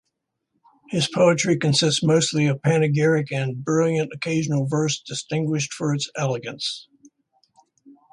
His poetry consists mostly of panegyric and brilliant occasional verse distinguished for its elegance.